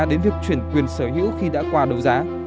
đến việc chuyển quyền sở hữu khi đã qua đấu giá